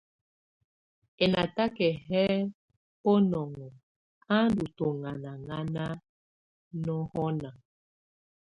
Ɛnataka yɛ́ bunɔŋɔ á ndɔ́ tɔŋanaŋana nɔŋɔna.